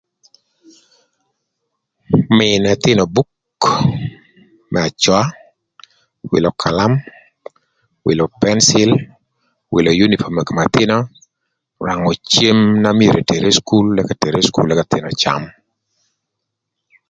Mïnö ëthïnö buk më acöa, wïlö kalam, wïlö pencil, wïlö unipom ï kom ëthïnö, rangö cem na myero eter ï cukul ëk ëthïnö öcam.